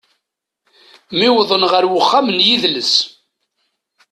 Mi wwḍen ɣer uxxam n yidles.